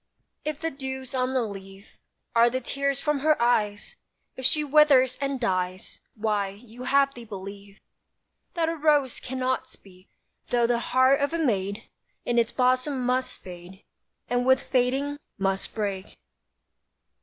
If the dews on the leaf Are the tears from her eyes; If she withers and dies, Why, you have the belief, That a rose cannot speak, Though the heart of a maid In its bosom must fade, And with fading must break.